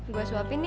gue suapin ya